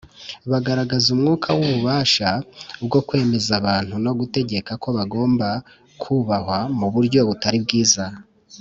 Bagaragaza umwuka w’ububasha bwo kwemeza abantu no gutegeka ko bagomba kubahwa mu buryo butari bwiza